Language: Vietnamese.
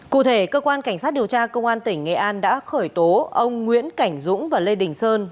cụ thể cơ quan cảnh sát điều tra công an tỉnh nghệ an đã khởi tố ông nguyễn cảnh dũng và lê đình sơn